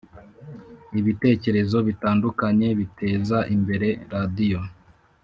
Ibitekerezo bitandukanye biteza imbere radiyo